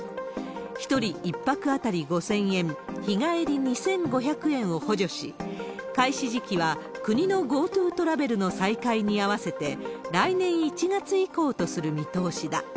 １人１泊当たり５０００円、日帰り２５００円を補助し、開始時期は国のＧｏＴｏトラベルの再開に合わせて、来年１月以降とする見通しだ。